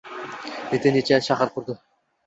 Necha-necha shahar qurdi